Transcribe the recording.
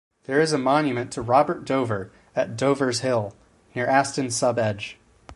There is a monument to Robert Dover at Dover's Hill, near Aston-sub-Edge.